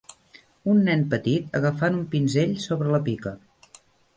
Un nen petit agafant un pinzell sobre la pica.